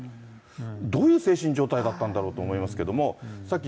どういう精神状態だったんだろうと思いますけど。